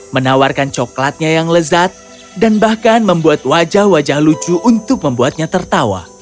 menawarkan coklatnya yang lezat dan bahkan membuat wajah wajah lucu untuk membuatnya tertawa